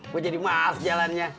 gua jadi males jalannya